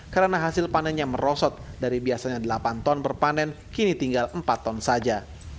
karena hasil panennya merosot dari biasanya delapan ton per panen kini tinggal empat ton saja